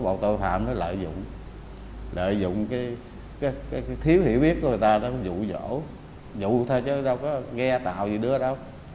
vụ thôi chứ đâu có nghe tạo gì nữa đâu